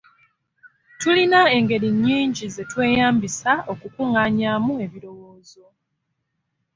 Tulina engeri nnyingi ze tweyambisa okukungaanyaamu ebirowoozo.